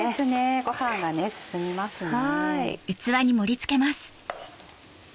ご飯が進みますね。